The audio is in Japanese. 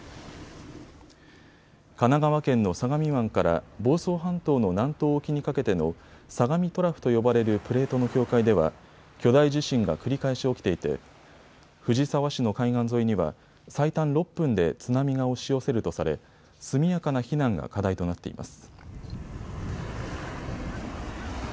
神奈川県の相模湾から房総半島の南東沖にかけての相模トラフと呼ばれるプレートの境界では巨大地震が繰り返し起きていて藤沢市の海岸沿いには最短６分で津波が押し寄せるとされ速やかな避難が課題となっています。